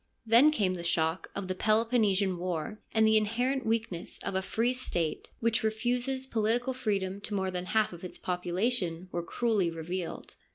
Then came the shock of the Peloponnesian War and the inherent weaknesses of a free State which 135 136 FEMINISM IN GREEK LITERATURE refuses political freedom to more than half its population were cruelly revealed.